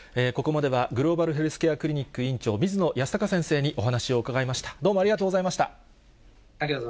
ここまではグローバルヘルスケアクリニック院長、水野泰孝先生に